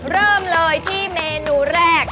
เริ่มเลยที่เมนูแรก